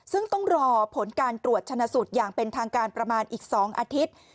ซึ่งต้องรอผลการตรวจชนะสูตรอย่างเป็นทางการประมาณอีก๒อาทิตย์